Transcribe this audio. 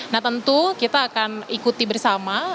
nah tentu kita akan ikuti bersama